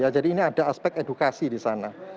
jadi ini ada aspek edukasi di sana